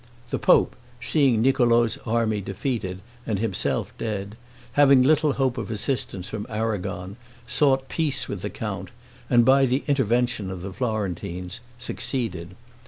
The pope, seeing Niccolo's army defeated and himself dead, having little hope of assistance from Aragon, sought peace with the count, and, by the intervention of the Florentines, succeeded.